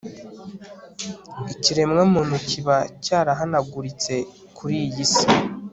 ikiremwa muntu kiba cyarahanaguritse kuri iyi si